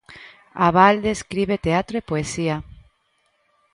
Abalde escribe teatro e poesía.